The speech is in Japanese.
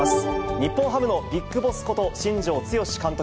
日本ハムのビッグボスこと、新庄剛志監督。